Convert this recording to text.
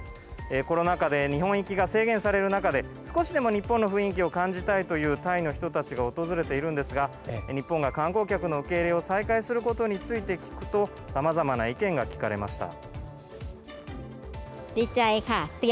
コロナ禍で日本行きが制限される中で少しでも日本の雰囲気を感じたいというタイの人たちが訪れているんですが日本が観光客の受け入れを再開することについて聞くとさまざまな意見が聞かれました。